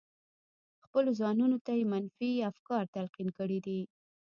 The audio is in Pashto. خپلو ځانونو ته يې منفي افکار تلقين کړي دي.